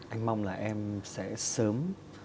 anh mong là em sẽ sớm